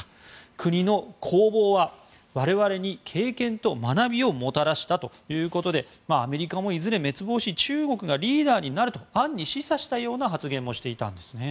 国の興亡は、我々に経験と学びをもたらしたということでアメリカもいずれ滅亡し中国がリーダーになると暗に示唆したような発言もしていたんですね。